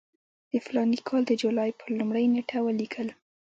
د فلاني کال د جولای پر لومړۍ نېټه ولیکل.